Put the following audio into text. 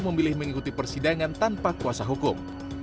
memilih mengikuti persidangan tanpa kuasa hukum